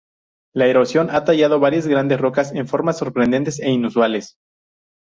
La erosión ha tallado varias grandes rocas en formas sorprendentes e inusuales.